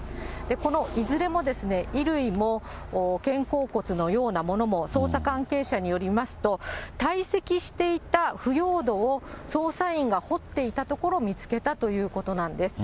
このいずれも、衣類も肩甲骨のようなものも、捜査関係者によりますと、堆積していた腐葉土を捜査員が掘っていたところ、見つけたということなんです。